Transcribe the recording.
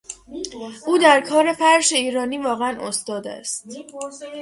او در کار فرش ایرانی واقعا استاد است.